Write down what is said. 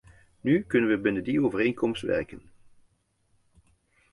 Nu kunnen we binnen die overeenkomst werken.